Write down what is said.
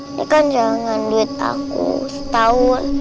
ini kan jalanan duit aku setahun